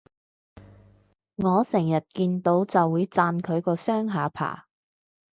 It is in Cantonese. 我成日見到就會讚佢個雙下巴